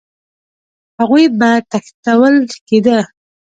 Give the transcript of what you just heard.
هغوی به تښتول کېده